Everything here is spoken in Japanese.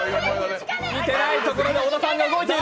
見てないところで小田さんが動いている。